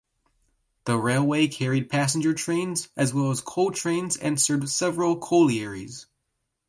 The railway carried passenger trains as well as coal trains and served several collieries.